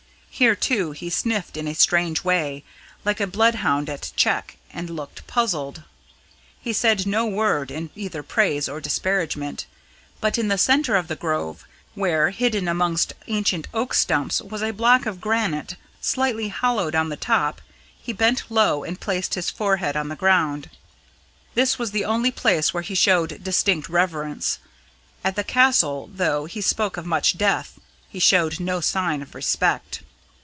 Here, too, he sniffed in a strange way, like a bloodhound at check, and looked puzzled. He said no word in either praise or disparagement, but in the centre of the Grove, where, hidden amongst ancient oak stumps, was a block of granite slightly hollowed on the top, he bent low and placed his forehead on the ground. This was the only place where he showed distinct reverence. At the Castle, though he spoke of much death, he showed no sign of respect.